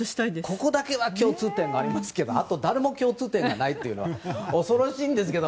ここだけは共通点がありますけどあとは誰も共通点がないという恐ろしいんですけど。